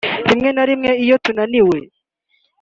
rimwe na rimwe iyo tunaniwe